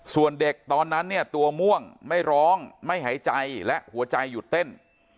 ส่วนเด็กตอนนั้นเนี่ยตัวม่วงไม่ร้องไม่หายใจและหัวใจหยุดเต้น